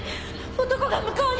男が向こうに！